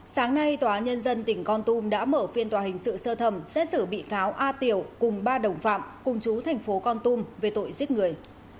sáng nay tòa nhân dân tỉnh con tum đã mở phiên tòa hình sự sơ thẩm xét xử bị cáo a tiểu cùng ba đồng phạm cùng chú thành phố con tum về tội giết người